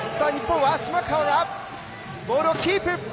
島川がボールをキープ。